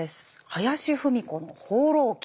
林芙美子の「放浪記」。